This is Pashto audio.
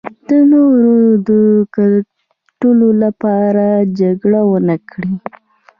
د نورو د ګټو لپاره جګړه ونکړي.